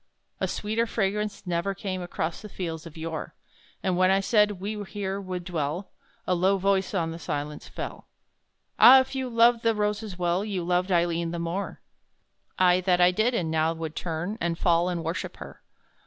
A sweeter fragrance never came Across the Fields of Yore! And when I said "we here would dwell," A low voice on the silence fell "Ah! if you loved the roses well, You loved Aileen the more." "Ay, that I did, and now would turn, And fall and worship her!